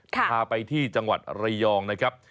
พาไปที่จังหวัดระยองนะครับ